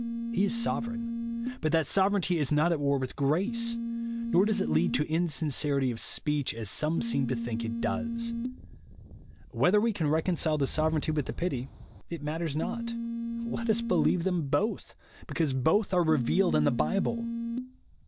He is sovereign ; but that sovereignty is not at v/ar with grace ; nor does it lead to insincerity of speech, as some seem to think it does. Whether we can reconcile the sovereignty Avith the pity, it matters not. Let us believe thein both, because both are revealed in the Bible.